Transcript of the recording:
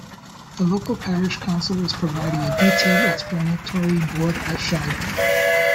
The local Parish Council is providing a detailed explanatory board at Shide.